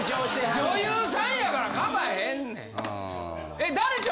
女優さんやからかまへんねん。